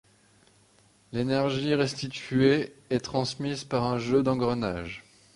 L'énergie restituée est transmise par un jeu d'engrenages.